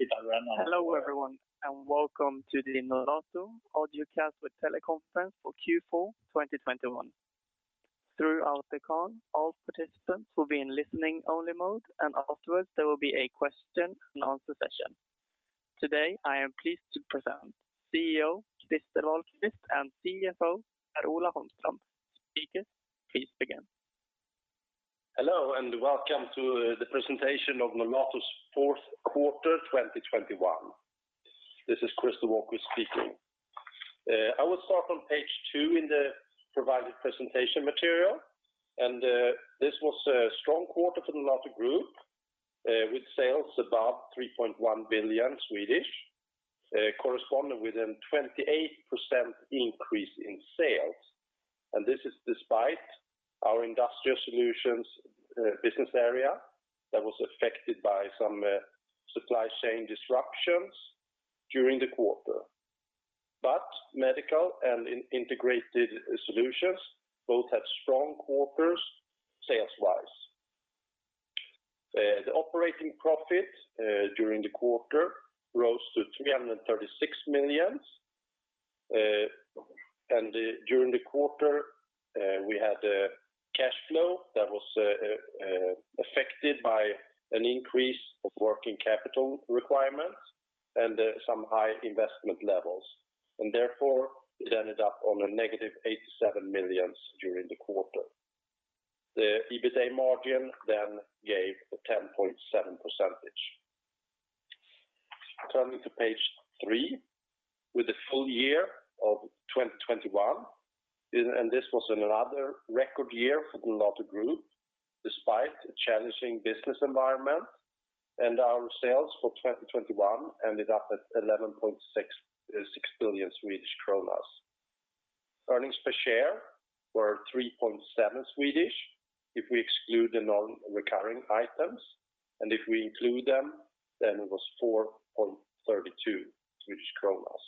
Hello everyone, and welcome to the Nolato audiocast with teleconference for Q4 2021. Throughout the call, all participants will be in listening only mode, and afterwards there will be a question and answer session. Today, I am pleased to present CEO, Christer Wahlquist and CFO, Per-Ola Holmström. Speakers, please begin. Hello, and welcome to the presentation of Nolato's fourth quarter, 2021. This is Christer Wahlquist speaking. I will start on page two in the provided presentation material. This was a strong quarter for Nolato Group, with sales above 3.1 billion, corresponding with a 28% increase in sales. This is despite our Industrial Solutions business area that was affected by some supply chain disruptions during the quarter. Medical and Integrated Solutions both have strong quarters sales wise. The operating profit during the quarter rose to 336 million. During the quarter, we had a cash flow that was affected by an increase of working capital requirements and some high investment levels. Therefore, it ended up on a -87 million during the quarter. The EBITA margin then gave a 10.7%. Turning to page three. With the full year of 2021, this was another record year for the Nolato Group, despite a challenging business environment. Our sales for 2021 ended up at 11.66 billion Swedish kronor. Earnings per share were 3.7 if we exclude the non-recurring items. If we include them, then it was 4.32 Swedish kronor.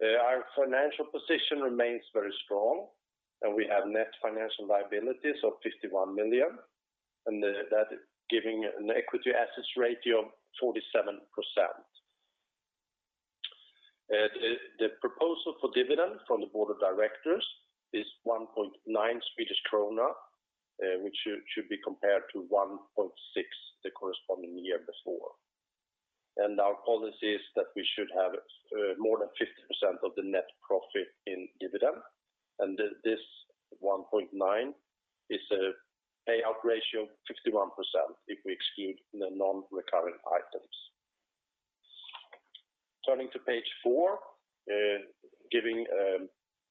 Our financial position remains very strong, and we have net financial liabilities of 51 million, giving an equity assets ratio of 47%. The proposal for dividend from the board of directors is 1.9 Swedish krona, which should be compared to 1.6 the corresponding year before. Our policy is that we should have more than 50% of the net profit in dividend. This 1.9 is a payout ratio of 51% if we exclude the non-recurring items. Turning to page four, giving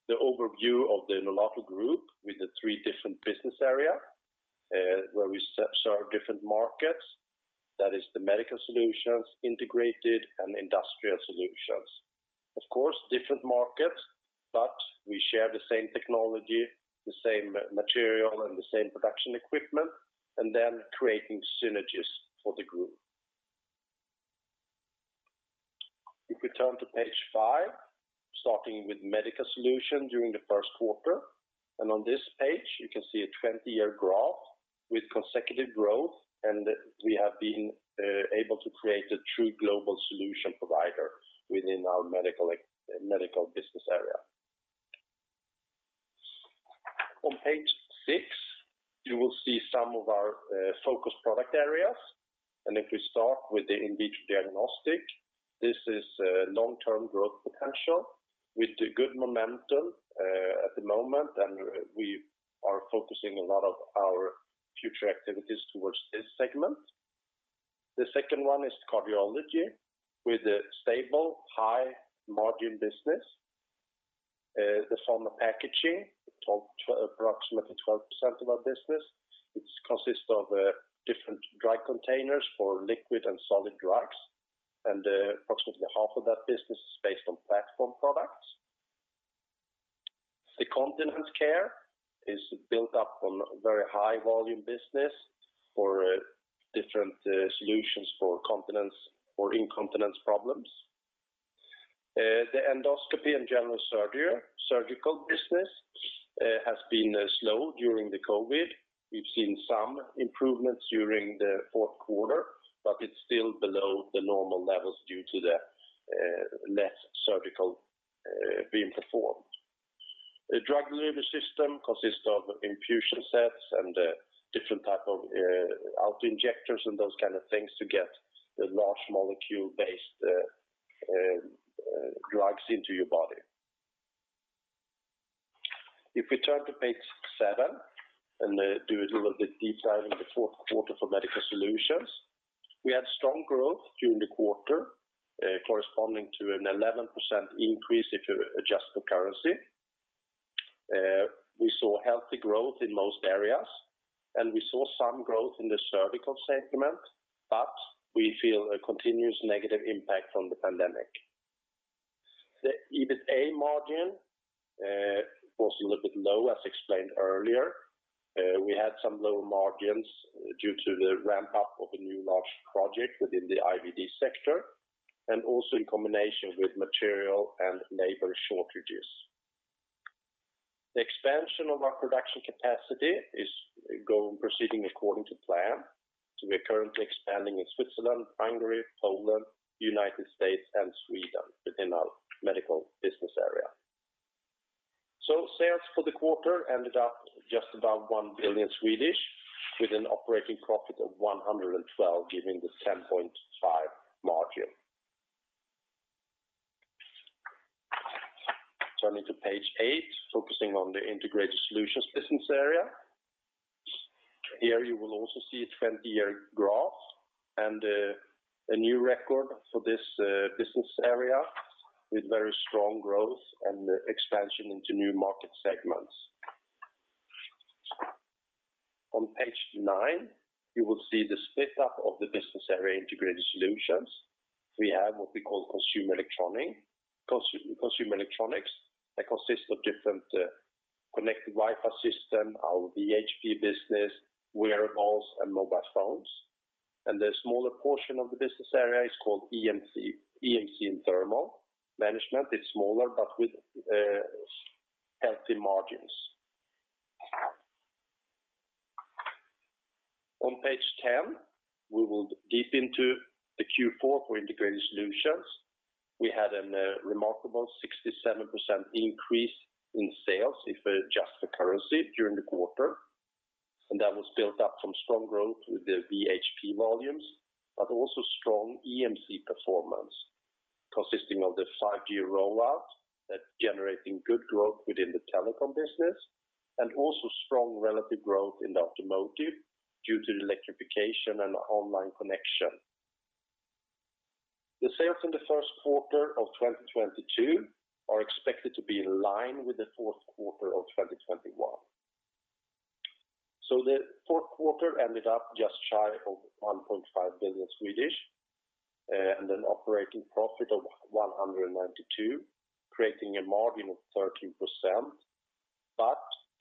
the overview of the Nolato Group with the three different business area, where we serve different markets, that is the Medical Solutions, Integrated Solutions and Industrial Solutions. Of course, different markets, but we share the same technology, the same material, and the same production equipment, and then creating synergies for the group. If we turn to page five, starting with Medical Solutions during the first quarter. On this page you can see a 20-year graph with consecutive growth, and we have been able to create a true global solution provider within our medical business area. On page six, you will see some of our focus product areas. If we start with the in vitro diagnostic, this is a long-term growth potential with a good momentum at the moment, and we are focusing a lot of our future activities towards this segment. The second one is cardiology, with a stable, high margin business. The pharma packaging, approximately 12% of our business. It consists of different dry containers for liquid and solid drugs, and approximately half of that business is based on platform products. The continence care is built up on a very high volume business for different solutions for continence or incontinence problems. The endoscopy and surgical business has been slow during the COVID. We've seen some improvements during the fourth quarter, but it's still below the normal levels due to the less surgical being performed. The drug delivery system consists of infusion sets and different type of auto-injectors and those kind of things to get the large molecule-based drugs into your body. If we turn to page seven and do a little bit deep dive in the fourth quarter for Medical Solutions. We had strong growth during the quarter, corresponding to an 11% increase if you adjust for currency. We saw healthy growth in most areas, and we saw some growth in the surgical segment, but we feel a continuous negative impact from the pandemic. The EBITA margin was a little bit low as explained earlier. We had some low margins due to the ramp up of a new large project within the IVD sector, and also in combination with material and labor shortages. The expansion of our production capacity is proceeding according to plan. We are currently expanding in Switzerland, Hungary, Poland, United States, and Sweden within our Medical Solutions business area. Sales for the quarter ended up just about 1 billion with an operating profit of 112 million, giving the 10.5% margin. Turning to page eight, focusing on the Integrated Solutions business area. Here you will also see a 20-year graph and a new record for this business area with very strong growth and expansion into new market segments. On page nine, you will see the split up of the business area Integrated Solutions. We have what we call Consumer Electronics. Consumer electronics that consists of different, connected Wi-Fi system, our VHP business, wearables, and mobile phones. The smaller portion of the business area is called EMC and thermal management. It's smaller, but with healthy margins. On page 10, we will dip into the Q4 for Integrated Solutions. We had a remarkable 67% increase in sales adjusted for currency during the quarter. That was built up from strong growth with the VHP volumes, but also strong EMC performance consisting of the 5G rollout that's generating good growth within the telecom business, and also strong relative growth in the automotive due to the electrification and online connection. The sales in the first quarter of 2022 are expected to be in line with the fourth quarter of 2021. The fourth quarter ended up just shy of 1.5 billion and an operating profit 192 million, creating a margin of 13%.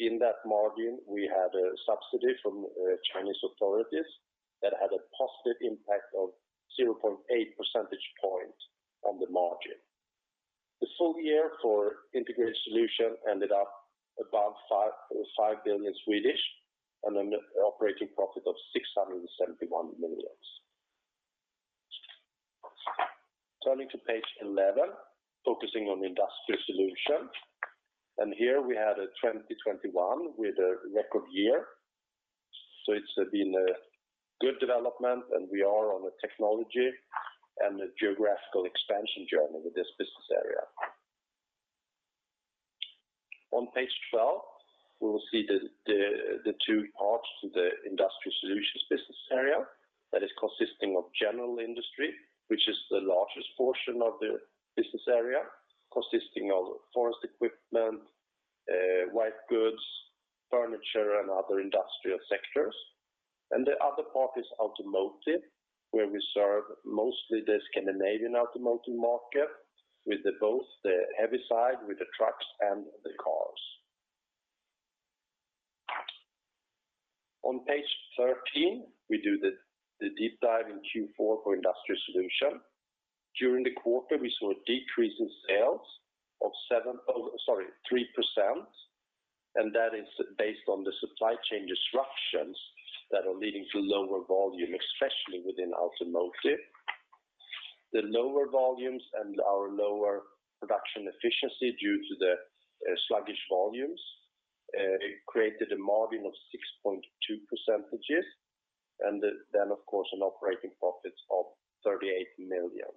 In that margin, we had a subsidy from Chinese authorities that had a positive impact of 0.8 percentage point on the margin. The full year for Integrated Solutions ended up above 5.5 billion and an operating profit of 671 million. Turning to page 11, focusing on Industrial Solutions. Here we had 2021 with a record year. It's been a good development, and we are on a technology and a geographical expansion journey with this business area. On page 12, we will see the two parts to the Industrial Solutions business area that is consisting of general industry, which is the largest portion of the business area, consisting of forest equipment, white goods, furniture, and other industrial sectors. The other part is automotive, where we serve mostly the Scandinavian automotive market with both the heavy side with the trucks and the cars. On page 13, we do the deep dive in Q4 for Industrial Solutions. During the quarter, we saw a decrease in sales of 3%, and that is based on the supply chain disruptions that are leading to lower volume, especially within automotive. The lower volumes and our lower production efficiency due to the sluggish volumes created a margin of 6.2%, and then, of course, an operating profit of 38 million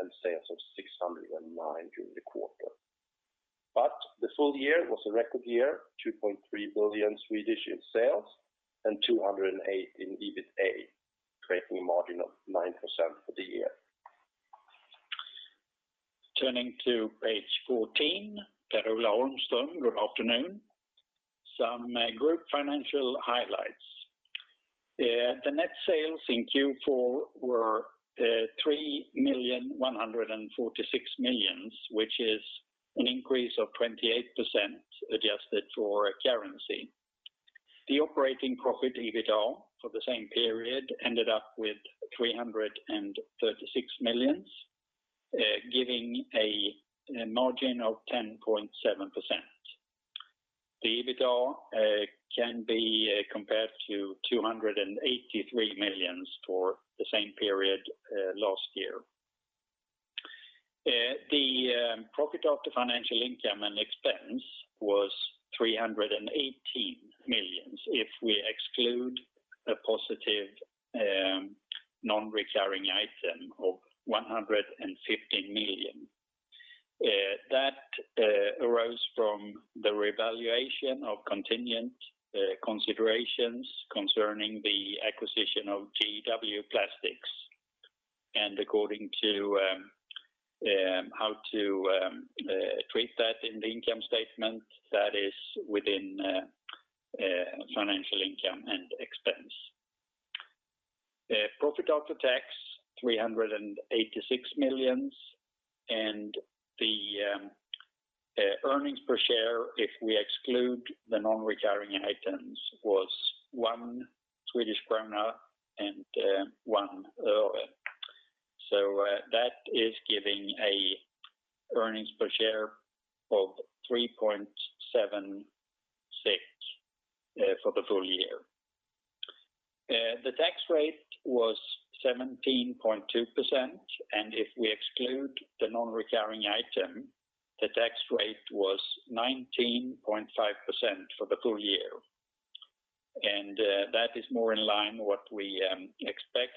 and sales of 609 million during the quarter. The full year was a record year, 2.3 billion in sales and 208 million in EBITA, creating a margin of 9% for the year. Turning to page 14, Per-Ola Holmström, good afternoon. Some group financial highlights. The net sales in Q4 were 3,146 million, which is an increase of 28% adjusted for currency. The operating profit, EBITA, for the same period ended up with 336 million, giving a margin of 10.7%. The EBITA can be compared to 283 million for the same period last year. The profit after financial income and expense was 318 million, if we exclude a positive non-recurring item of 150 million. That arose from the revaluation of contingent considerations concerning the acquisition of GW Plastics. According to how to treat that in the income statement, that is within financial income and expense. The profit after tax, 386 million, and the earnings per share, if we exclude the non-recurring items, was 1 Swedish krona and 1 euro. That is giving a earnings per share of 3.76 for the full year. The tax rate was 17.2%, and if we exclude the non-recurring item, the tax rate was 19.5% for the full year. That is more in line what we expect.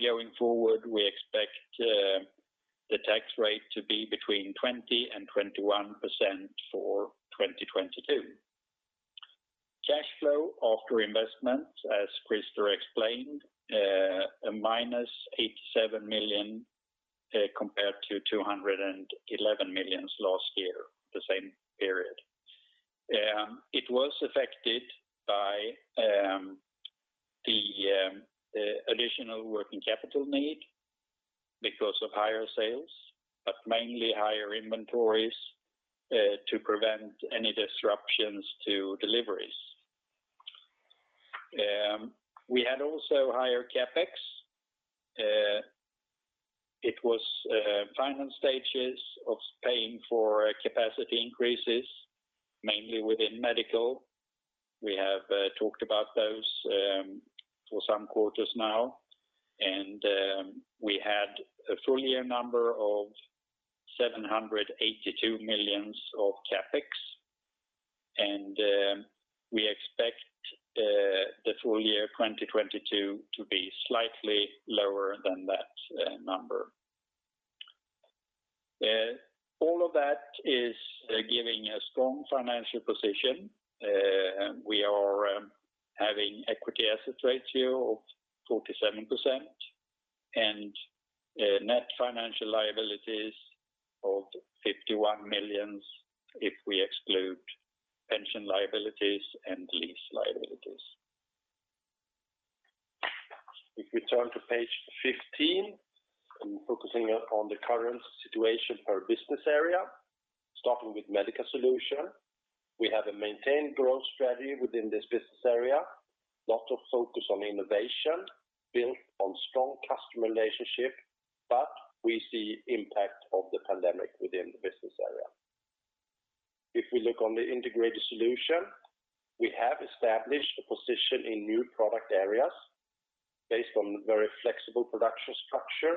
Going forward, we expect the tax rate to be between 20% and 21% for 2022. Cash flow after investment, as Christer explained, -87 million compared to 211 million last year, the same period. It was affected by the additional working capital need because of higher sales, but mainly higher inventories to prevent any disruptions to deliveries. We had also higher CapEx. It was final stages of paying for capacity increases, mainly within medical. We have talked about those for some quarters now. We had a full year number of 782 million of CapEx. We expect the full year 2022 to be slightly lower than that number. All of that is giving a strong financial position. We are having equity assets ratio of 47% and net financial liabilities of 51 million if we exclude pension liabilities and lease liabilities. If we turn to page 15, I'm focusing on the current situation per business area, starting with Medical Solutions. We have a maintained growth strategy within this business area. Lot of focus on innovation built on strong customer relationship, but we see impact of the pandemic within the business area. If we look on the Integrated Solutions, we have established a position in new product areas based on very flexible production structure,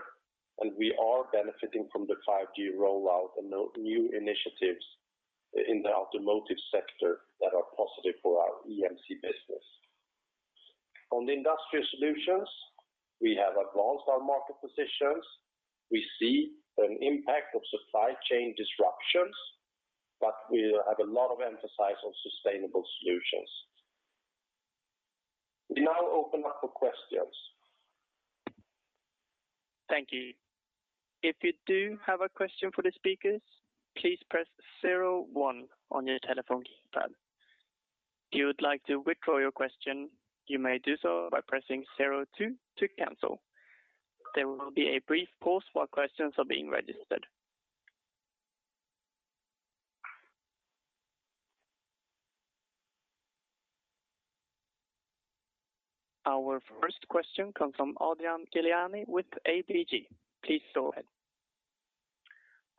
and we are benefiting from the 5G rollout and new initiatives in the automotive sector that are positive for our EMC business. On the Industrial Solutions, we have advanced our market positions. We see an impact of supply chain disruptions, but we have a lot of emphasis on sustainable solutions. We now open up for questions. Thank you, if you do have a question for the speakers, please press zero one on your telephone keypad. You'd like to withdraw your question you may do so by pressing zero two to cancel. There will be a brief pause while questions are being registered. Our first question comes from Adrian Gilani with ABG. Please go ahead.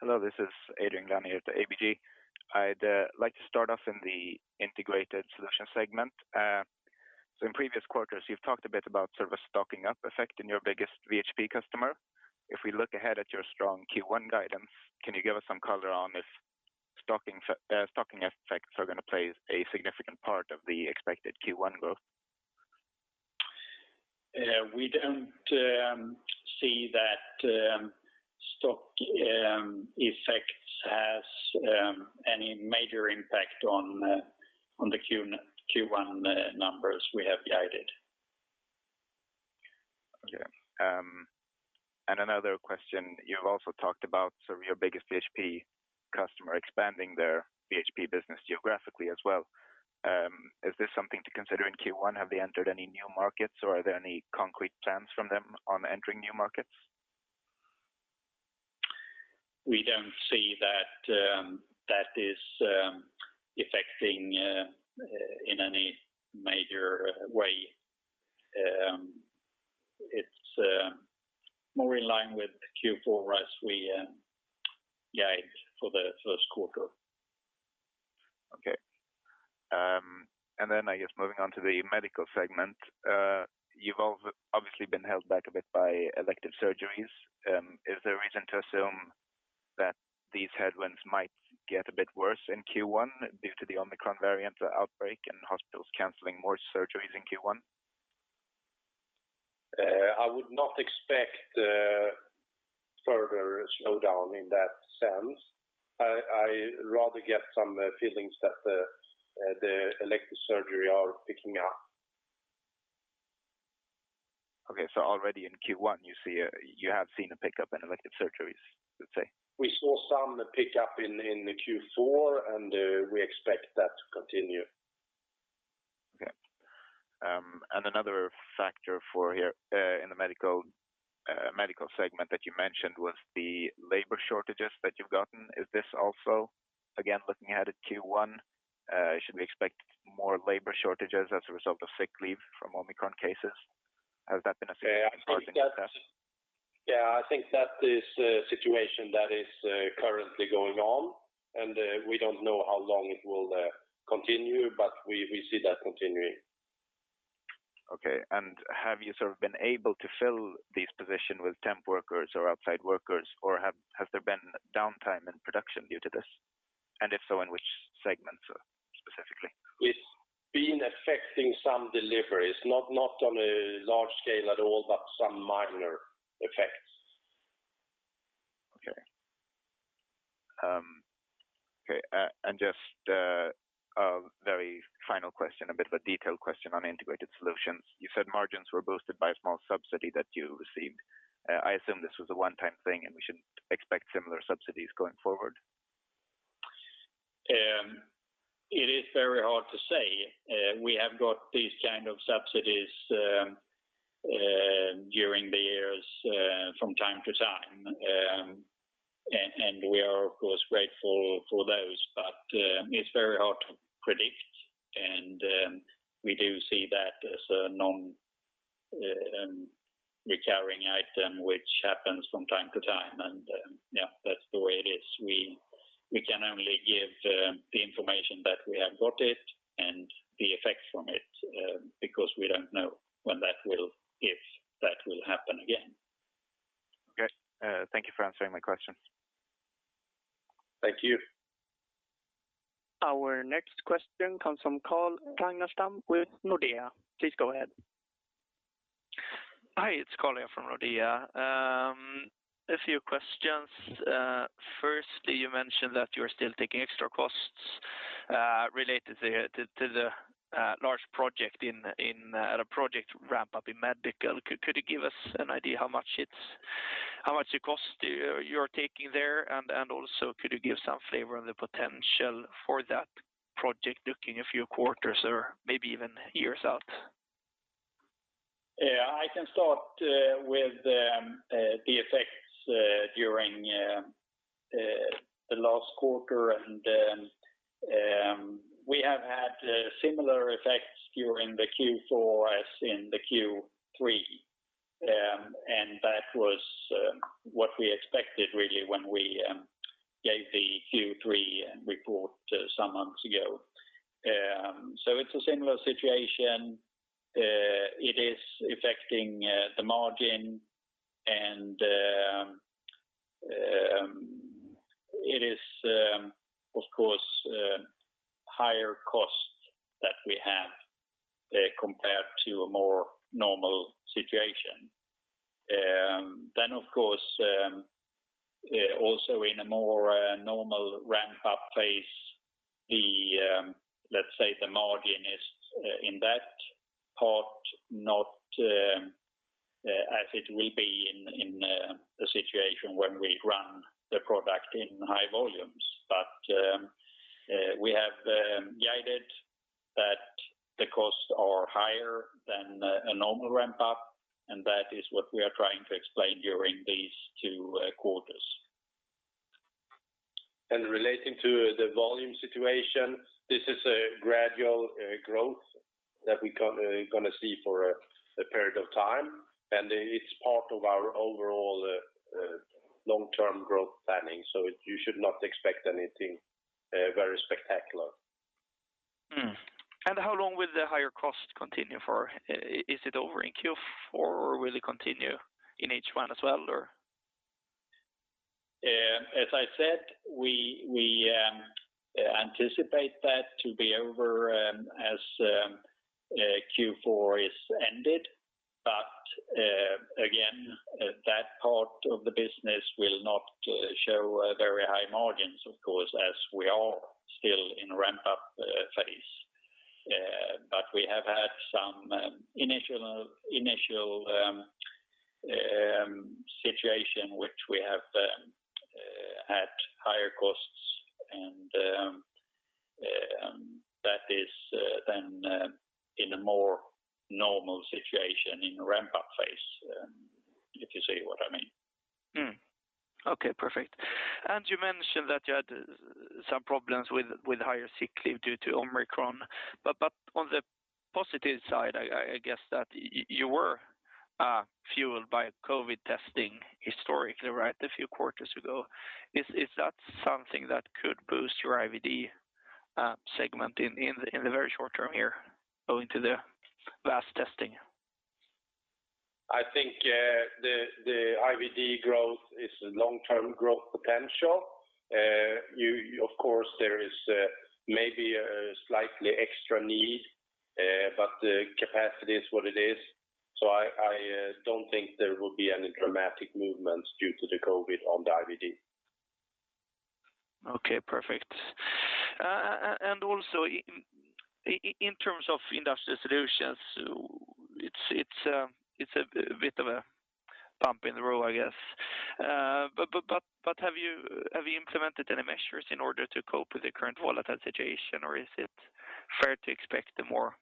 Hello, this is Adrian Gilani with the ABG. I'd like to start off in the Integrated Solutions segment. In previous quarters, you've talked a bit about sort of a stocking up effect in your biggest VHP customer. If we look ahead at your strong Q1 guidance, can you give us some color on if stocking effects are gonna play a significant part of the expected Q1 growth? We don't see that stock effects has any major impact on the Q1 numbers we have guided. Okay. Another question, you've also talked about sort of your biggest VHP customer expanding their VHP business geographically as well. Is this something to consider in Q1? Have they entered any new markets, or are there any concrete plans from them on entering new markets? We don't see that is affecting in any major way. It's more in line with the Q4 rise we guided for the first quarter. I guess moving on to the medical segment. You've obviously been held back a bit by elective surgeries. Is there a reason to assume that these headwinds might get a bit worse in Q1 due to the Omicron variant outbreak and hospitals canceling more surgeries in Q1? I would not expect further slowdown in that sense. I rather get some feelings that the elective surgery are picking up. Okay. Already in Q1, you have seen a pickup in elective surgeries, let's say? We saw some pickup in the Q4, and we expect that to continue. Okay. Another factor for here, in the medical segment that you mentioned was the labor shortages that you've gotten. Is this also, again, looking ahead at Q1, should we expect more labor shortages as a result of sick leave from Omicron cases? Has that been a factor in causing the? Yeah, I think that is a situation that is currently going on, and we don't know how long it will continue, but we see that continuing. Okay. Have you sort of been able to fill these positions with temp workers or outside workers, or have there been downtime in production due to this? If so, in which segments specifically? It's been affecting some deliveries, not on a large scale at all, but some minor effects. Okay. Just a very final question, a bit of a detailed question on Integrated Solutions. You said margins were boosted by a small subsidy that you received. I assume this was a one-time thing, and we shouldn't expect similar subsidies going forward? It is very hard to say. We have got these kind of subsidies during the years from time to time. We are of course grateful for those, but it's very hard to predict. We do see that as a non-recurring item which happens from time to time. Yeah, that's the way it is. We can only give the information that we have got it and the effects from it because we don't know if that will happen again. Okay. Thank you for answering my question. Thank you. Our next question comes from Carl Ragnerstam with Nordea. Please go ahead. Hi, it's Carl here from Nordea. A few questions. First, you mentioned that you're still taking extra costs related to the large project ramp up in medical. Could you give us an idea how much it costs you're taking there? Also could you give some flavor on the potential for that project looking a few quarters or maybe even years out? Yeah. I can start with the effects during the last quarter. We have had similar effects during the Q4 as in the Q3. That was what we expected really when we gave the Q3 report some months ago. It's a similar situation. It is affecting the margin and it is of course higher costs that we have compared to a more normal situation. Of course also in a more normal ramp-up phase, the let's say the margin is in that part not as it will be in a situation when we run the product in high volumes. We have guided that the costs are higher than a normal ramp up, and that is what we are trying to explain during these two quarters. Relating to the volume situation, this is a gradual growth that we gonna see for a period of time, and it's part of our overall long-term growth planning. You should not expect anything very spectacular. How long will the higher cost continue for? Is it over in Q4, or will it continue in H1 as well, or? As I said, we anticipate that to be over as Q4 is ended. Again, that part of the business will not show very high margins of course as we are still in ramp-up phase. We have had some initial situation which we have had higher costs and that is then in a more normal situation in ramp-up phase, if you see what I mean. Okay, perfect. You mentioned that you had some problems with higher sick leave due to Omicron. But on the positive side, I guess that you were fueled by COVID testing historically, right? A few quarters ago. Is that something that could boost your IVD segment in the very short term here owing to the vast testing? I think the IVD growth is a long-term growth potential. Of course there is maybe a slightly extra need, but the capacity is what it is. I don't think there will be any dramatic movements due to the COVID on the IVD. Okay, perfect. Also, in terms of Industrial Solutions, it's a bit of a bump in the road, I guess. Have you implemented any measures in order to cope with the current volatile situation, or is it fair to expect a more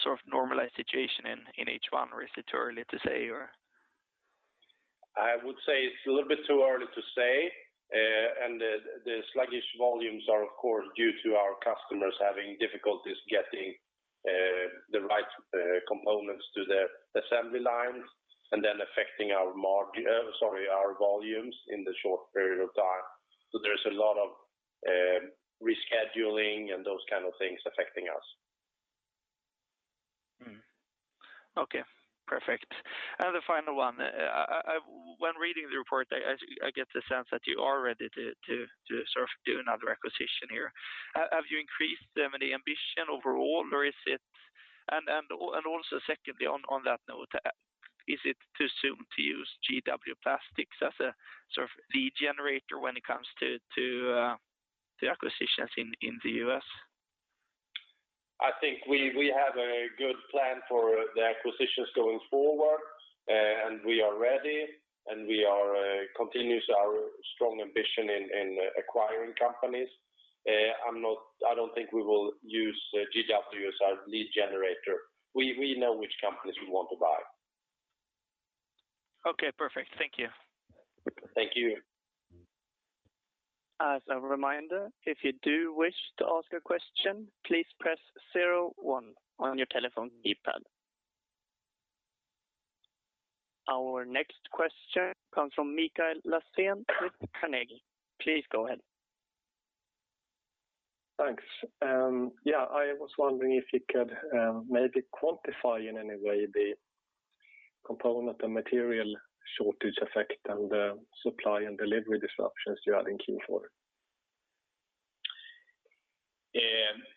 sort of normalized situation in H1, or is it too early to say, or? I would say it's a little bit too early to say. The sluggish volumes are of course due to our customers having difficulties getting the right components to their assembly lines and then affecting our volumes in the short period of time. There's a lot of rescheduling and those kind of things affecting us. Okay. Perfect. The final one. When reading the report, I get the sense that you are ready to sort of do another acquisition here. Have you increased any ambition overall, or is it? Also secondly on that note, is it too soon to use GW Plastics as a sort of lead generator when it comes to the acquisitions in the U.S.? I think we have a good plan for the acquisitions going forward, and we are ready and continuing our strong ambition in acquiring companies. I don't think we will use GW as our lead generator. We know which companies we want to buy. Okay, perfect. Thank you. Thank you. As a reminder, if you do wish to ask a question, please press zero one on your telephone keypad. Our next question comes from Mikael Laséen with Carnegie. Please go ahead. Thanks. Yeah, I was wondering if you could maybe quantify in any way the component and material shortage effect and supply and delivery disruptions you had in Q4?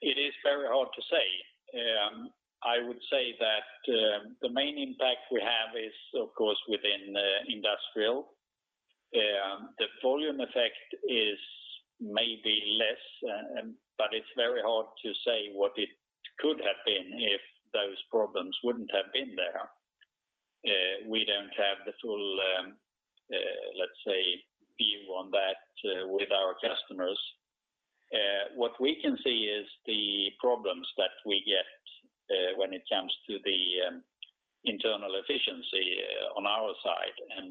It is very hard to say. I would say that the main impact we have is, of course, within Industrial. The volume effect is maybe less, but it's very hard to say what it could have been if those problems wouldn't have been there. We don't have the full, let's say view on that with our customers. What we can see is the problems that we get when it comes to the internal efficiency on our side.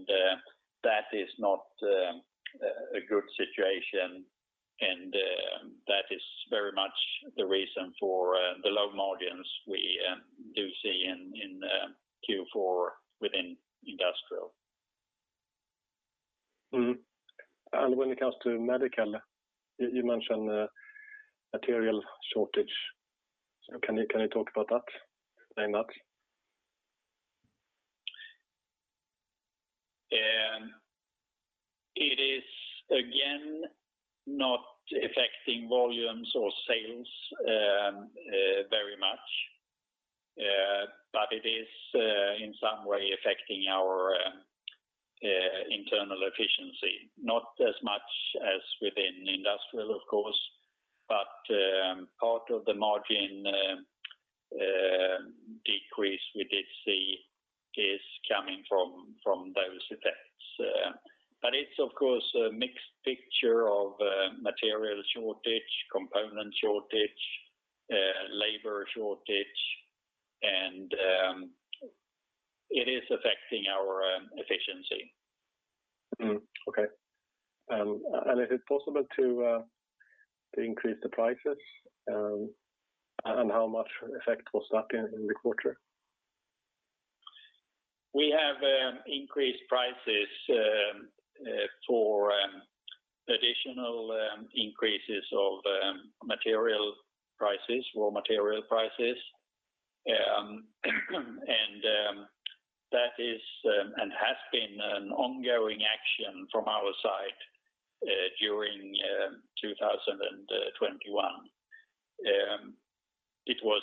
That is not a good situation, and that is very much the reason for the low margins we do see in Q4 within Industrial. Mm-hmm. When it comes to medical, you mentioned material shortage. Can you talk about that and that? It is again not affecting volumes or sales very much. It is in some way affecting our internal efficiency, not as much as within Industrial, of course, but part of the margin decrease we did see is coming from those effects. It's of course a mixed picture of material shortage, component shortage, labor shortage, and it is affecting our efficiency. Okay. Is it possible to increase the prices, and how much effect was that in the quarter? We have increased prices for additional increases of material prices, raw material prices. That is and has been an ongoing action from our side during 2021. It was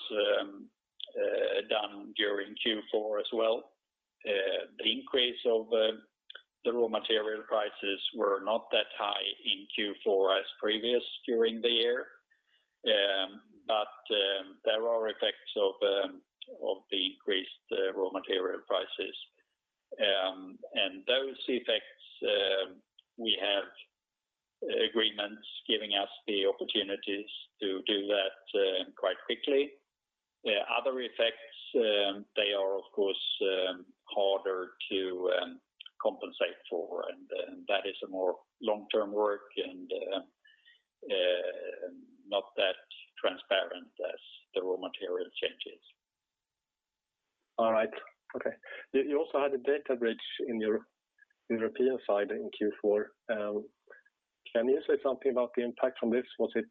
done during Q4 as well. The increase of the raw material prices were not that high in Q4 as previously during the year. There are effects of the increased raw material prices. Those effects, we have agreements giving us the opportunities to do that quite quickly. Other effects, they are of course harder to compensate for, and that is a more long-term work and not that transparent as the raw material changes. All right. Okay. You also had a data breach in your European side in Q4. Can you say something about the impact from this? Was it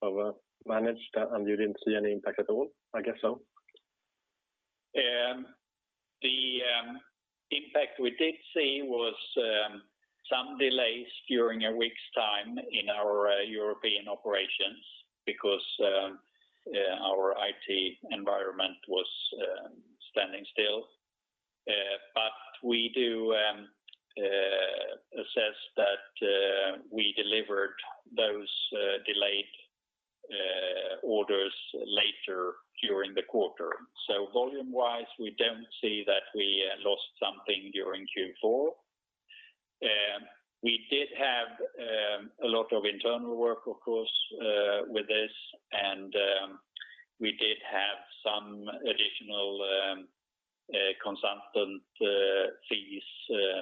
sort of managed and you didn't see any impact at all? I guess so. The impact we did see was some delays during a week's time in our European operations because our IT environment was standing still. We do assess that we delivered those delayed orders later during the quarter. Volume-wise, we don't see that we lost something during Q4. We did have a lot of internal work, of course, with this, and we did have some additional consultant fees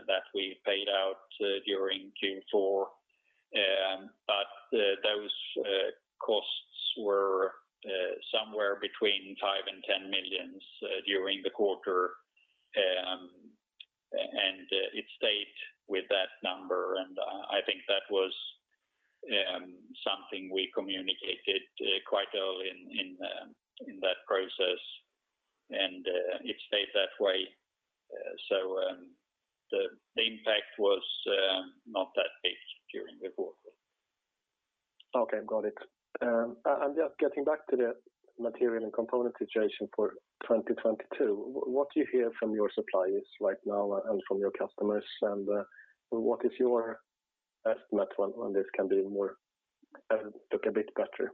that we paid out during Q4. Those costs were somewhere between 5 million and 10 million during the quarter. It stayed with that number, and I think that was something we communicated quite early in that process. It stayed that way. The impact was not that big during the quarter. Okay. Got it. And yeah, getting back to the material and component situation for 2022, what do you hear from your suppliers right now and from your customers? What is your estimate when this can be more like a bit better?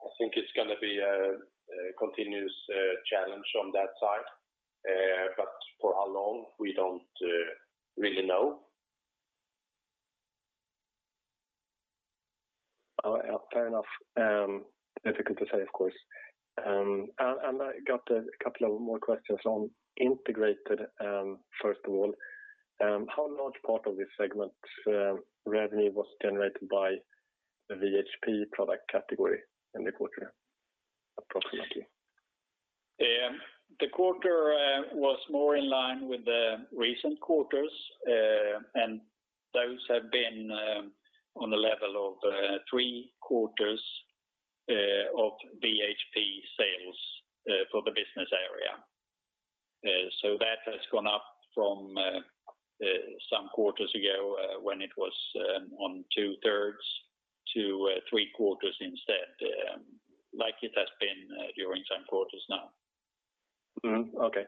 I think it's gonna be a continuous challenge on that side. For how long, we don't really know. Oh, yeah, fair enough. Difficult to say, of course. I got a couple of more questions on Integrated, first of all. How large a part of this segment's revenue was generated by the VHP product category in the quarter approximately? The quarter was more in line with the recent quarters, and those have been on the level of three quarters of VHP sales for the business area. That has gone up from some quarters ago, when it was on two-thirds to three quarters instead, like it has been during some quarters now. Mm-hmm. Okay.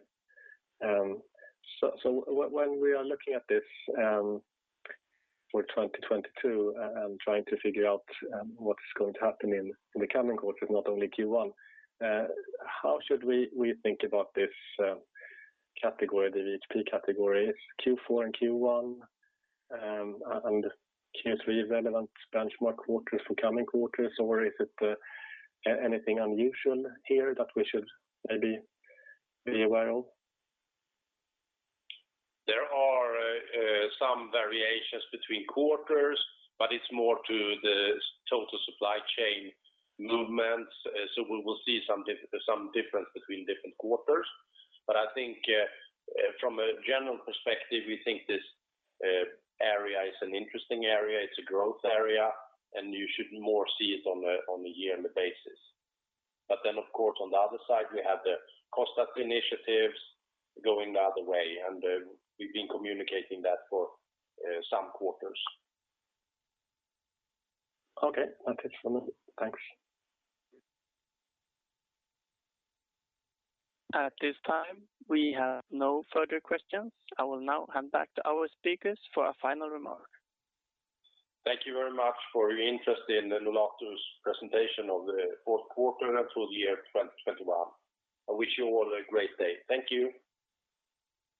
When we are looking at this for 2022 and trying to figure out what is going to happen in the coming quarters, not only Q1, how should we think about this category, the VHP category? Q4 and Q1 and Q3 relevant benchmark quarters for coming quarters, or is it anything unusual here that we should maybe be aware of? There are some variations between quarters, but it's more the total supply chain movements. We will see some difference between different quarters. I think from a general perspective, we think this area is an interesting area. It's a growth area, and you should see it more on a year-on-year basis. Of course, on the other side, we have the cost-cutting initiatives going the other way, and we've been communicating that for some quarters. Okay. That is from me. Thanks. At this time, we have no further questions. I will now hand back to our speakers for a final remark. Thank you very much for your interest in Nolato's presentation of the fourth quarter and full year 2021. I wish you all a great day. Thank you.